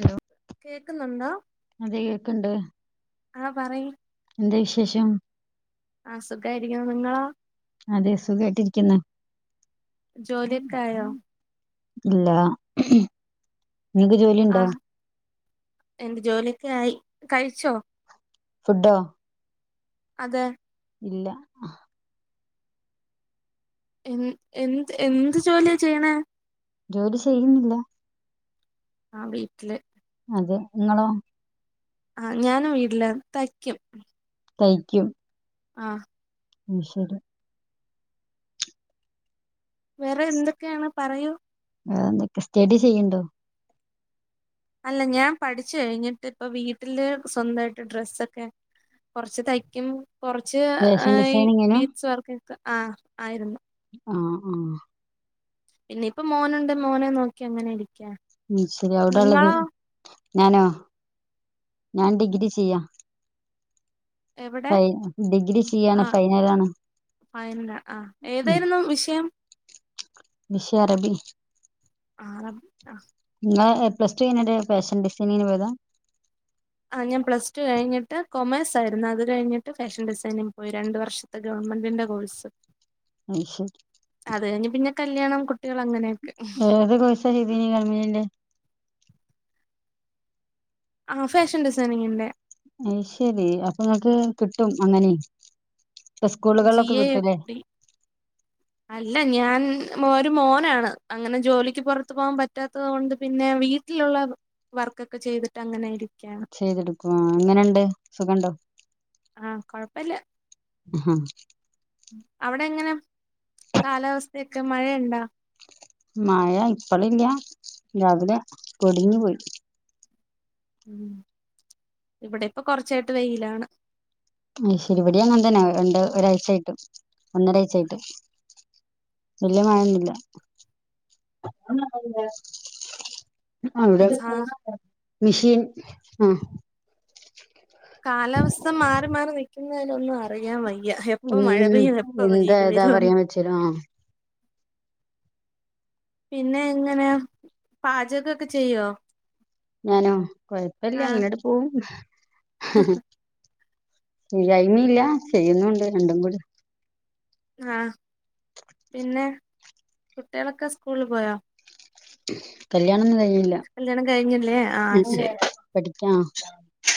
Hello കേക്കുന്നുണ്ടോ, അതെ കേക്ക്ണ്ട് ആഹ് പറയ് എന്ത വിശേഷം ആഹ് സുഖായിരിക്കുന്നു നിങ്ങളോ അതെ സുഖയിട്ടിരിക്കുന്നു ജോലിഒക്കായോ ഇല്ല. നിങ്ങക്ക് ജോലിണ്ടോ എന്ത്‌ ജോലിയൊക്കെ ആയി കഴിച്ചോ ഫുഡോ അതെ ഇല്ല എൻ എന്ത് എന്ത് ജോലിയാ ചെയ്യണേ ജോലി ചെയ്യുന്നില്ല ആ വീട്ടില് അതെ ങ്ങളോ ആഹ്‌ ഞാനും വീട്ലാ തയ്ക്കും തയ്ക്കും ആഹ് അഹ് ശരി വേറെ എന്തൊക്കെയാണ് പറയൂ വേറെന്തൊക്കെ സ്റ്റഡി ചെയ്യ്ണ്ടോ അല്ല ഞാൻ പഠിച്ച്കഴിഞ്ഞിട്ട്പ്പ വീട്ടില് സ്വന്തായിട്ട് ഡ്രസ്സൊക്കെ കൊറച്ച് തയ്ക്കും. കൊറച്ച് ഫാഷൻ ഈ ഡിസൈനിങ്ങിനോ ബീഡ്സ് വർക്കൊക്കെ ആ ആയിരുന്നു ആഹ് ആഹ് പിന്നെ ഇപ്പൊ മോനുണ്ട്. മോനെ നോക്കി അങ്ങനെ ഇരിക്കാ ഉം ശരി അവിടെള്ളത് നിങ്ങളോ ഞാനോ ഞാൻ ഡിഗ്രി ചെയ്യ എവിടെ ഫൈ ഡിഗ്രി ചെയ്യാണ് ആ ഫൈനലാണ് ഫൈനലാ, ആഹ്‌ ഏതായിരുന്നു വിഷയം വിഷയ അറബി അറബി ആഹ്‌ ങ്ങൾ എ പ്ലസ് ടു കഴിഞ്ട്ട് ഫാഷൻ ഡിസൈനിങ്ങിന് പോയതാ ആഹ്‌ ഞാൻ പ്ല ടു കഴിഞ്ഞിട്ട് കൊമേഴ്സായിരുന്നു. അത് കഴിഞ്ഞിട്ട് ഫാഷൻ ഡിസൈനിംഗങ് പോയി രണ്ട് വർഷ ത്തെ ഗവൺമെന്റിന്റെ കോഴ്സ് അയ്ശരി അത് കഴിഞ്ഞ് പിന്നെ കല്യാണം കു ഏത് കോഴ്സാ ചെയതിനെ ഗവൺമെന്റിന്റെ ആഹ്‌ ഫേഷൻ ഡിസൈനിങ്ങിന്റെ അയ് ശരി, അപ്പങ്ങക്ക് കിട്ടും അങ്ങനിം ജി എ എഫ് ഡി [inaudible] അല്ല, ഞാൻ ഒരു മോനാണ് അങ്ങനെ ജോലിക്ക് പൊറത്ത് പോകാൻ പറ്റാത്തത് കൊണ്ട് പിന്നെ വീ ട്ടിലുള്ള വർക്കൊക്കെ ചെയ്തിട്ട് അങ്ങനെരി ചെയ്തെടുക്കുആ, എങ്ങനെണ്ട് സുഖണ്ടോ ആഹ്‌ കൊഴപ്പല്ല ആഹ് അവിടെങ്ങനെ കാലാവസ്ഥയൊക്കെ മഴയുണ്ടാ മയ ഇപ്പളില്ല രാവിലെ പൊടിഞ്ഞു പോയി ഉം ഇവിടെ ഇപ്പൊ കൊറച്ചായിട്ട് വെയിലാണ് അഹ് ശരി വടി അങ്ങൻതന്നെ. രണ്ട് ഒരാഴ്ചായിട്ട്. ഒന്നരാഴ്ചായിട്ട് വല്യ മഴൊന്നുല്ല ഇവടെ സാ മിഷീൻ ആഹ് കാലാവസ്ഥ മാറി മാറി നിൽക്കുന്നതിലൊന്നും മാറി അറിയാൻ വയ്യ എപ്പ മഴ പെയ്യും എപ്പൊ വെയിൽ വരുംന്ന് അച്ചനോ പിന്നെ എങ്ങനെ പാചകൊക്കെ ചെയ്യോ ഞാനോ കൊഴപ്പില്ല ആഹ് അങ്ങനോട് പോകും ഇല്ലായ്മഇല്ല ചെയ്യുന്നുണ്ട് രണ്ടും കൂടെ ആഹ് പിന്നെ കുട്ടികളൊക്കെ സ്കൂളിൽ പോയോ കല്യാണം ഒന്നും കഴിഞ്ഞില്ല കല്യാണം കഴിഞ്ഞില്ലേ ആഹ് ശരി. പഠിക്കാം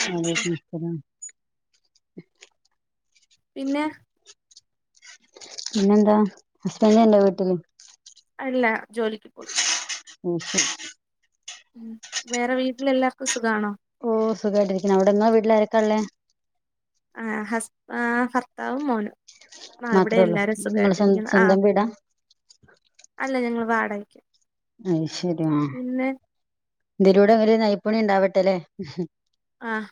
പഠിക്ക പിന്നെ പിന്നെന്താ ഹസ്ബെന്റ് ഉണ്ടോ വിട്ടില് അല്ല ജോലിക്ക് പോയി [unintelligible] ഉം വേറെ വീട്ടില് എല്ലാവർക്കും സുഖമാണോ ഓ സുഖമായിട്ടിരിക്കുണ് അവിടെങ്ങടെ വീട്ടില് ആരൊക്കാ ഉള്ളേ ആ ഹസ് ഭർത്താവും മോനും ആ ഇവിടെ മാത്രേ ഉള്ളൂ എല്ലാരും നിങ്ങള് സ്വ സുഖായിട്ടിരിക്കുന്നു ആഹ് സ്വന്തം വീടാ അല്ല ഞങ്ങൾ വാടകക്ക് അത് ശരിയാ എതിലൂടെങ്ങനെ നൈപ്പുണി ഉണ്ടാവട്ടെല്ലെ ആഹ്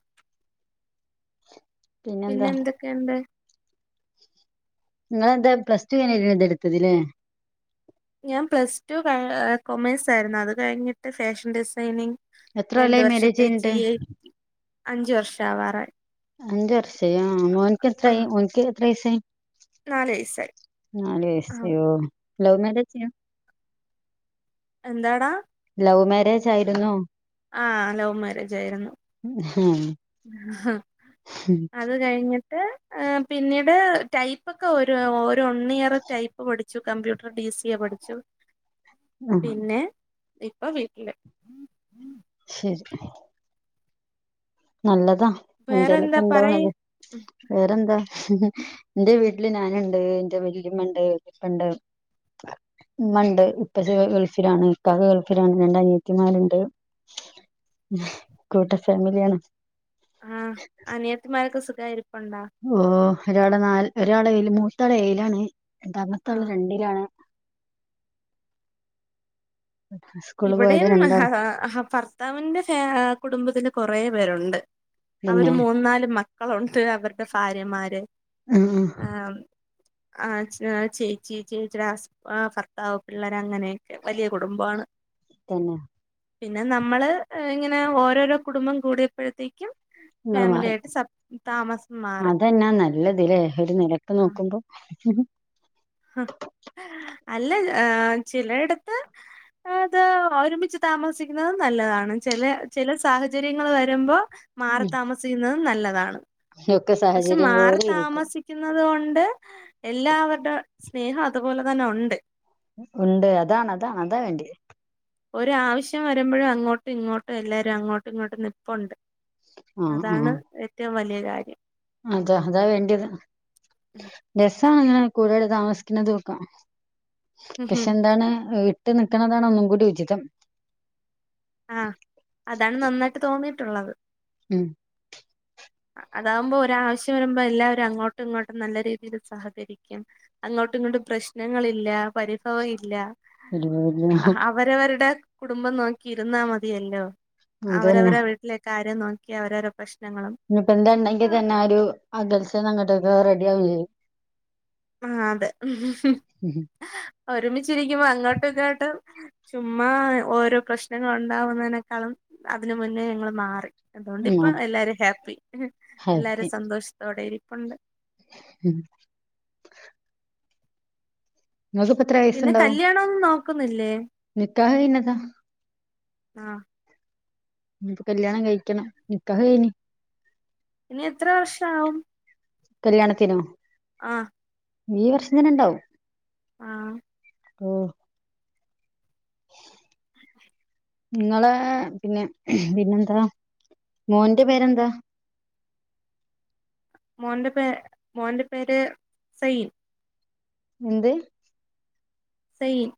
പിന്നെ പിന്നെന്താ എന്തൊക്കെയുണ്ട് നിങ്ങളെന്താ പ്ലസ് ടു കഴിഞ്ഞ ഇതെ എടുത്തതില്ലേ ഞാൻ പ്ലസ് ടു കൊമേഴസ് ആയിരുന്നു അത് കഴിഞ്ഞിട്ട് ഫാഷൻ ഡിസൈനിങ്. എത്ര രണ്ടു കൊല്ലായി മാരേജ് വർഷത്തെ കഴിഞ്ഞിട്ട് ജി ഐ അഞ്ചു വർഷ ആവാറായി അഞ്ച് വർഷ ആയി ഒനിക്ക് എത്രായി ആഹ് ഓനിക്ക് എത്ര വൈസായി നാല് വയസ്സായി നാല് ആഹ് വയസോ ലൗ മാരേജ് ആ എന്താടാ ലൗവ് മാരേജ് ആയിരുന്നോ ആഹ് ലൗവ് മാരേജ് ആയിരുന്നു ഹം ഹ അത് കഴിഞ്ഞിട്ട് പിന്നീട് ടൈപ്പ് ഒക്കെ ഒരു വൺ ഇയറ് ടൈപ്പ് പഠിച്ചു കമ്പ്യൂട്ടർ ഡി സി എ പഠിച്ചു ആ പിന്നെ ഇപ്പൊ വീട്ടില് ശരി നല്ലതാ എന്തേലൊക്കെ വേറെന്താ പറയ് ഇണ്ടാവണത് വേറെന്താ എന്റെ വീട്ടില് ഞാനുണ്ട് എറെ വല്ലയമ്മ ഉണ്ട് ഉപ്പ ഉണ്ട് ഉമ്മണ്ട് ഇപ്പ ഗൾഫിലാണ് ഇക്കക ഗൾഫിലാണ് രണ്ട് അനിയത്തിമാരുണ്ട് കൂട്ട ഫാമിലിആണ് ആഹ്അനിയത്തിമാരൊക്കെ സുഖാരിപ്പുണ്ടോ ഓ ഒരാള് നാല് ഒരാള ഏഴിലാണ് മൂന്നത്തെ ആള് ഏയിലാണ് രണ്ടാ മത്തെ ആൾ ആഹ് രണ്ടിലാണ് സ്കൂള് പോയത് ഇവിടെയും ഹ രണ്ടാള് ഹ ഫസ്റ്റ് അവന്റെ ഫാ കുടുംബത്തില് കൊറെ പേരുണ്ട് അവര് പിന്നെ മൂന്ന് നാല് മക്ക മക്കളുണ്ട് അവരുടെ ഭാര്യമാര് ഉം ഉം ആം ആഹ് ചേച്ചിചേച്ചിയുടെ ഹസ് ആ ഭർത്താവ് പിള്ളേര് അങ്ങനെയൊക്കെ വലിയ കുടുംബമാണ് തന്നെ പിന്നെ നമ്മള് ഇങ്ങനെ ഓരോരോ കുടുംബം കൂടിയപ്പോഴത്തേക്കും ങ്ങള് ഫാമിലി മാറി ആയിട്ട് സ താമസം മാറി അതെന്നാ നല്ലത് ലേ ഒര് നിലക്ക് ആ നോക്കുമ്പൊ ഹും ഹും. അല്ല ചിലയിടത്ത്. അത് ഒരുമിച്ച് താമസിക്ക്ന്നത് നല്ലതാണ് ചെലെ ചെലെ സാഹചര്യങ്ങള് വര്മ്പൊ മാറി താമസിക്ക്ന്ന നല്ലതാണ് ഒക്കെ പഷെ സാഹചര്യം മാറി പോലെ ഇരിക്കും താമസി കുന്നത് കൊണ്ട് എല്ലാവര്ടെ സ്നേഹം അതുപോല തന്നൊണ്ട്. ഉണ്ട് അതാണ് അതാണ് അതാ വേണ്ട്യെ ഒരാവശ്യം വരുമ്പഴും അങ്ങോട്ടും ഇങ്ങോട്ടും എല്ലാരും അങ്ങോട്ടുങ്ങോട്ടും നിപ്പൊണ്ട് ആഹ് അതാണ് ഏറ്റോം വല്ല്യെ കാര്യം അതെ അതാ വേണ്ട്യെത് രസാണ് [unintelligible] കൂടുതല് താമസിക്ക്ണതുക്ക പഷെന്താണ് വീട്ട് നിക്ക്ണതാണ് ഒന്നുങ്കൂടി ഉചിതം ആഹ് അതാണ് നന്നായിട്ട് തോന്നീട്ടുള്ളത് ഉം അതാമ്പോ ഒരാവശ്യം വര്മ്പോ എല്ലാരും അങ്ങോട്ടുങ്ങോട്ടും നല്ല രീതീല് സഹകരിക്കും അങ്ങോട്ടുങ്ങോട്ടും പ്രശ്നങ്ങളില്ല പരിഭവ ഇല്ല ഇല്ല അവ് വരവര്ടെ കുടുംബം നോക്കി ഇരുന്നാ മതിയല്ലോ അതന്നെ അവരവരെ വീട്ലേ കാര്യം നോക്കി അവരവര പ്രശ്നങ്ങളും ഇനിപ്പ എന്തേണ്ടെങ്കി തന്നെ ആഹ് ഒരു അകൽച്ചേന്നങ്ങട്ടക്ക റെഡിയാവേ ആഹ് അതെ ഒരുമിച്ചിരികുമ്പൊ അങ്ങോട്ടിങ്ങോട്ടും ചുമ്മാ ഓരോ പ്രശ്നങ്ങള് ഉണ്ടാവുന്നേനെക്കാളും അതിന് മുന്നേ ഞങ്ങള് മാറി ഉം, അതോണ്ടിപ്പ അത് എല്ലാരും ഹാപ്പി എല്ലാരും ഹാപ്പി സന്തോഷ്ത്തോടെ ഇരിപ്പൊണ്ട് ഉം നിങ്ങക്കിപ്പെ പിന്നെ കല്യാണൊന്നോക്കുന്നില്ലേ നിക്കാഹൈന്നതാ ആഹ് ഇഞ്ഞിപ്പ കല്യാണം കൈക്കണം നിക്കാഹൈന് ഇനി എത്ര വർഷാവും കല്യാണത്തിനോ ആഹ് ഈ വർഷം തനെണ്ടാവും ആഹ് ഓഹ് [unintelligible] നിങ്ങളെ പിന്നെ പിന്നെന്താ മോന്റെ പേരെന്താ മോന്റെ പേ മോന്റെ പേര് സെയിൻ എന്ത് സെയിൻ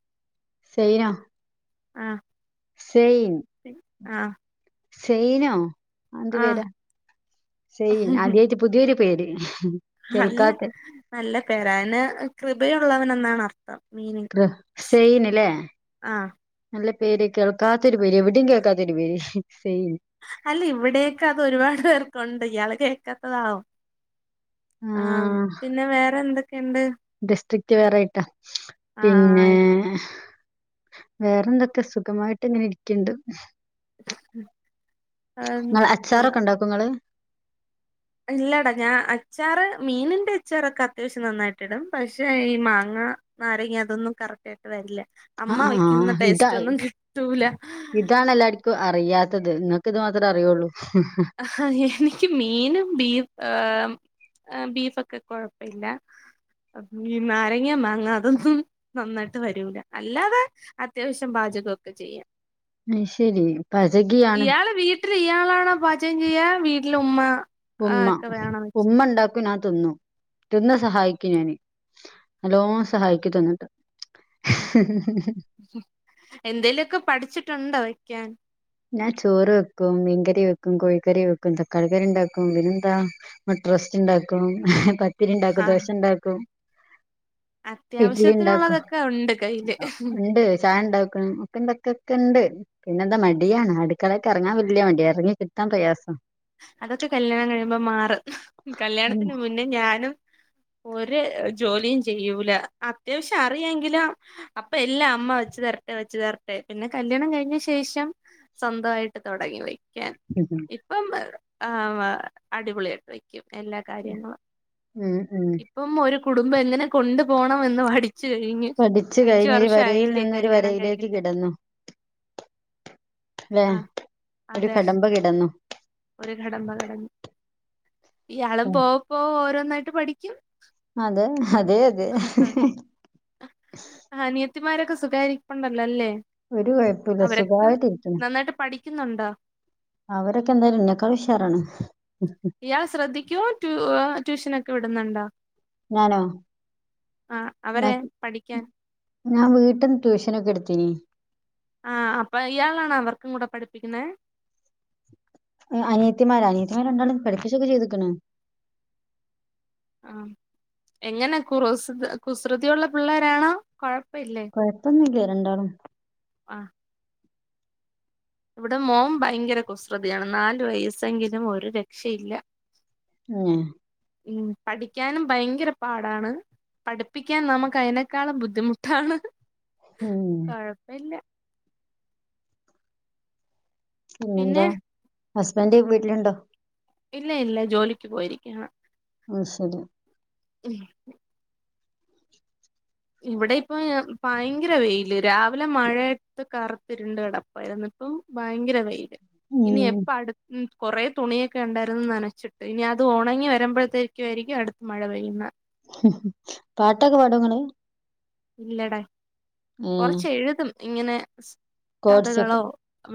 സെയോ ആഹ് സെയിൻ ആഹ് സെയിനോ അയെന്ത്‌ ആഹ് പേരാ സെയിൻ അദ്യേറ്റ് പുത്യൊരു പേര് അല്ല കേൾക്കാത്ത നല്ല പേര അന് കൃപയുള്ളവനെന്നാണർത്ഥം കൃ സെയിന് ലേ ആഹ് നല്ല പേര് കേൾക്കാത്തൊരു പേര് എവ്ടെം കേക്കാത്തൊരു പേര് സെയിൻ അല്ല ഇവ്ടെക്ക അത് ഒരുപാട് പേർക്കൊണ്ട് ഇയാള് കേക്കാത്തതാവും ആഹ് പിന്നെ വേറെന്തൊക്കെണ്ട് ഡിസ്ട്രിക്റ്റ് വേറേയിട്ടാ പിന്നേ ആയിരിക്കും വേറെന്തൊക്കെ സുഖമായിട്ട്ങ്ങനെ ഇരിക്ക്ണ്ട് ഉം ആഹ് ങ്ങള് അച്ചാറൊക്കെണ്ടാക്കൊങ്ങള് ഇല്ലടാ ഞാ അച്ചാറ് മീനിന്റെ അച്ചാറൊക്കെ അത്യാവശ്യം നന്നായിട്ടിടും പക്ഷെ ഈ മാങ്ങ നാരങ്ങ്യതൊന്നും കറക്റ്റായിട്ട് വരില്ല, അമ്മ ആഹ് ആഹ് വെയ്ക്കുന്ന ആഹ് ഇതാ ടേസ്റ്റൊന്നും കിട്ടൂല. ഇതാണ് എല്ലാര്ക്കും അറിയാത്തത്. ങ്ങക്ക് ഇത് മാത്രേ അറിയോള്ളൂ ഹ ഹ. ഹ ഹ എനിക്ക് മീനും ബീ ഏഹ് ആഹ് ബീഫൊക്കെ കൊഴപ്പഇല്ല. ഈ നാരങ്ങാ മാങ്ങ അതൊന്നും നന്നായിട്ട് വരൂല, അല്ലാതെ അത്യാവശ്യം പാചകൊക്കെ ചെയ്യാം. അയ്ശെരി. പാചഗീ ഇയാള് വീട്ടില് ഇയാളാണോ പാചകം ചെയ്യാ വീട്ടില് ഉമ്മ ആഹ് ഉമ്മ ഒക്കെ വേണോ ഉമ്മണ്ടാ ഞാ തിന്നു. തിന്ന് സഹായിക്കും ഞാന് നല്ലോം സഹായിക്കും തിന്ന്ട്ട്. ഹ് ഹ് ഹ് ഹ്. എന്തേലൊക്കെ പഠിച്ചിട്ടൊണ്ടോ വെക്ക്യാൻ? ഞാൻ ചോറ് വെക്കും, മീൻകറി വെക്കും, കോഴിക്കറി വെക്കും, തക്കാളിക്കറിണ്ടാക്കും പിന്നെന്താ... മുട്ട റോസ്റ്റ്ണ്ടാക്കും പത്തിരിണ്ടാക്കും ആഹ് ദോശണ്ടാക്കും. ഇഡ്ലിണ്ടാക്കും, അത്യാവശ്യത്തിനുള്ളതൊക്കെ ഉണ്ട് കയ്യില് ഇണ്ട് ചായണ്ടാക്കും. പ്പെന്തക്കൊക്കെണ്ട് പിന്നെന്താ മടിയാണ് അടുക്കളേക്കെറങ്ങാൻ വല്ല്യ മട്യാ എറങ്ങി കിട്ടാൻ പ്രയാസാ. അതൊക്കെ കല്യാണം കഴിയുമ്പോ മാറും, ഉം കല്യാണത്തിന് മുന്നേ ഞാനും ഒര് ജോലിയും ചെയ്യൂല, അത്യാവശ്യം അറിയാങ്കിലും അപ്പ എല്ലാ അമ്മ വച്ചു തരട്ടെ വച്ചു തരട്ടെ പിന്നെ കല്യാണം കഴിഞ്ഞ ശേഷം സ്വന്തവായിട്ട് തൊടങ്ങി വെയ് ഉം ഹം. ഇപ്പം ആവാ അടിപൊളിയാട്ട് വെയ്ക്കും എല്ലാ കാര്യങ്ങളും. ഉം ഉം. ഇപ്പം ഒരു കുടുംബം എങ്ങനെ കൊണ്ടു പോണമെന്ന് പഠിച്ചു കഴിഞ്ഞു. പഠിച്ചു കഴിഞ്ഞൊരു വരയിൽ നിന്നൊരു വരയിലേക്ക് കഴിഞ്ഞിട്ട് കിടന്നു. ലേ ആഹ് ഒരു അതെ കടമ്പ കിടന്നു. ഒരു കടമ്പ കടന്ന്, ഇയാളും ഉം. പോകപ്പോകെ ഓരോന്നായിട്ട് പഠിക്കും. അതെ, അതെയതെ. അനിയത്തിമാരൊക്കെ സുഖായിരിപ്പൊണ്ടല്ലോ അല്ലേ. ഒരു കുഴപ്പമില്ല അവരൊക്കെ സുഖമായിട്ടിരിക്കുന്നു നന്നായിട്ട് പഠിക്കുന്നൊണ്ടോ? അവരൊക്കെന്തായാലും ഇന്നേക്കാളുഷാറാണ്. ഇയാള് ശ്രദ്ധിക്കുവോ ടൂ ട്യൂഷനൊക്കെ വിടുന്ന്ണ്ടോ? ഞാനോ ആഹ് അവരെ പഠിക്കാൻ ഞാ വീട്ട്ന്ന് ട്യൂഷനൊക്കെ എടുത്തീനി. ആഹ് അപ്പൊ ഇയാളണോ അവർക്കും കൂടെ പഠിപ്പിക്കുന്നേ? അനിയത്തിമാരോ അനിയത്തിമാരെ രണ്ടാളേം പഠിപ്പിച്ചൊക്കെ ചെയ്ത്ക്ക്ണ്. ആഹ്‌ എങ്ങനെ കുറൂസ് കുസൃതിയുള്ള പിള്ളേരാണോ? കൊഴപ്പ ഇല്ലേ, കൊഴപ്പൊന്നുല്ല രണ്ടാളും ആഹ്. ഇവിടെ മോം ഭയങ്കര കുസൃതിയാണ് നാലു വയസ്സെങ്കിലും ഒരു രക്ഷയില്ല. ഏഹ്. ഉം പഠിക്കാനും ഭയങ്കര പാടാണ്. പഠിപ്പിക്കാൻ നമുക്ക് അയിനേക്കാളും ബുദ്ധിമുട്ടാണ്. ഉം. കൊഴപ്പവില്ല. പിന്നെ പിന്നെന്താ ഹസ്ബെൻഡ് വീട്ട്ല്ണ്ടോ? ഇല്ല ഇല്ല ജോലിക്ക് പോയിരിക്ക്യാണ് അത് ശെരി ഉം ഇവിടെ ഇപ്പൊ ഭയങ്കര വെെല് രാവിലെ മഴയത്ത് കറ് ത്ത് ഇരുണ്ട് കെടപ്പായിര്ന്ന് ഇപ്പം ഭയങ്കര വെെല് ഇനി ഉം എപ്പ അട് ഉം കൊറേ തുണിയെക്കെ ഇണ്ടായ്ര്ന്നത് നനച്ചിട്ട് ഇനി അത് ഒണങ്ങി വരമ്പഴ്ത്തേക്കും ആയിരിക്കും അട്ത്ത മഴ പെയ്യുന്നത് ഉംഹ് പാട്ടൊക്കെ പാടാെ ഇങ്ങള് ഇല്ലടാ ഏ കൊറച്ച് എഴ്തും ഇങ്ങനെ കോഡ്സൊക്കെ കഥകളോ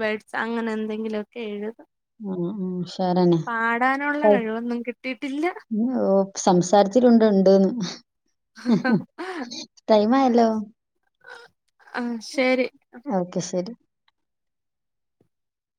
വേഡ്സ് അങ്ങനെ എന്തെങ്കിലു ഒക്കെ എഴ്തും ഉം ഉം ഉഷാറന്നെ പാടാനുള്ള കഴിവൊന്നും കിട്ടീട്ടില്ല ഓഹ് സംസാരത്തിലുണ്ട് ഇണ്ട്ന്ന് ഉം ഉം ടൈമായല്ലോ ആ ശരി ഓക്കെ ശെരി